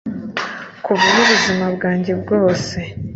Kuva aho ubuzima bwanjye bwose